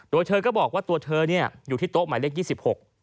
โดยเธอก็บอกว่าตัวเธออยู่ที่โต๊ะหมายเลข๒๖